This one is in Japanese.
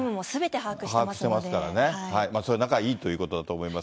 把握してますからね、仲いいということだと思います。